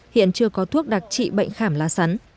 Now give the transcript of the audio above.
hiện chưa có thuốc đặc trị bệnh khảm lá sắn